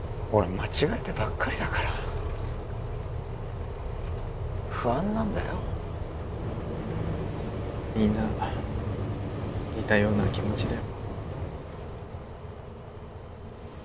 間違えてばっかりだから不安なんだよみんな似たような気持ちだよ